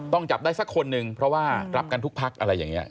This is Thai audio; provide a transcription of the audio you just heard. จับได้สักคนนึงเพราะว่ารับกันทุกพักอะไรอย่างนี้